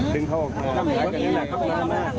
ดึงเข้าออกมา